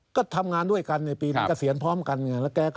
ข้องดูแล